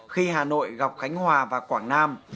khi hà nội gặp khánh hòa và quảng nam